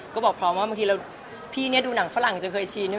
ก็บอกพร้อมว่าบางทีเราพี่เนี่ยดูหนังฝรั่งจะเคยชินด้วย